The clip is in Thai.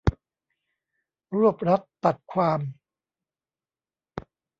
รวบรัดตัดความ